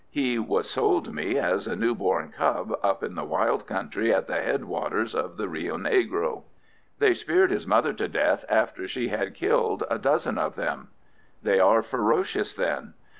He was sold me as a new born cub up in the wild country at the head waters of the Rio Negro. They speared his mother to death after she had killed a dozen of them." "They are ferocious, then?"